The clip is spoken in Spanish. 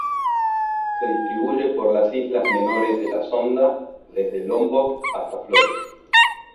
Se distribuye por las islas menores de la Sonda: desde Lombok hasta Flores.